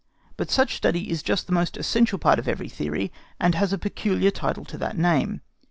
But such study is just the most essential part of every theory, and has a peculiar title to that name.